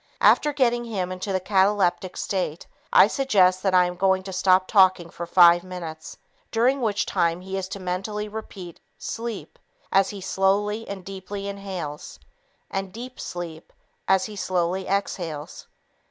After getting him into a cataleptic state, I suggest that I am going to stop talking for five minutes, during which time he is to mentally repeat "sleep" as he slowly and deeply inhales and "deep sleep" as he slowly exhales.